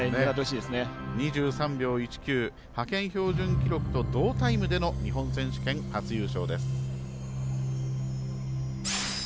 派遣標準記録と同タイムでの日本選手権初優勝です。